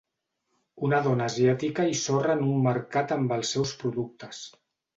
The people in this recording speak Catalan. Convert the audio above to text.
Una dona asiàtica i sorra en un mercat amb el seus productes.